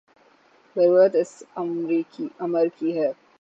ضرورت اس امر کی ہے